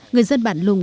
người dân bản lùng